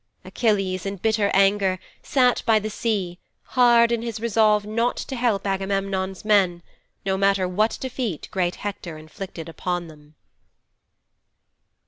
Achilles, in bitter anger, sat by the sea, hard in his resolve not to help Agamemnon's men, no matter what defeat great Hector inflicted upon them.'